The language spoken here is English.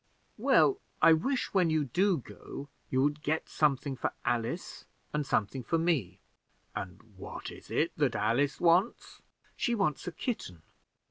"Well, I wish when you do go, you would get something for Alice and something for me." "And what is it that Alice wants?" "She wants a kitten."